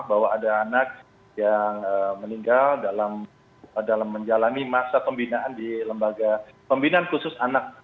bahwa ada anak yang meninggal dalam menjalani masa pembinaan di lembaga pembinaan khusus anak